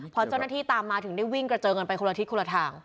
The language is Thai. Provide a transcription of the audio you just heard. พอเจ้าหน้าที่ตามมาถึงได้วิ่งกระเจิงกันไปคนละทิศคนละทาง